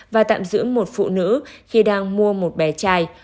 và tạm giữ một phụ nữ khi đang mua một bé trai